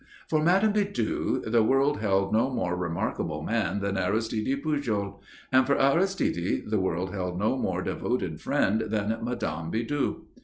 For Madame Bidoux the world held no more remarkable man than Aristide Pujol; and for Aristide the world held no more devoted friend than Madame Bidoux.